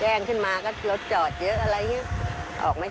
แก้งขึ้นมาก็เลอคเจ๊าเยอะ